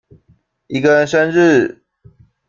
一個人生日